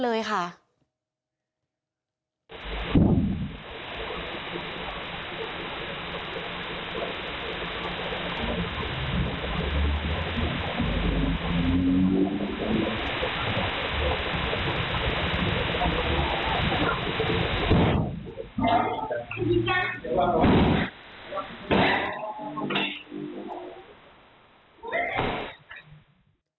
ที่ยังไม่มีทาง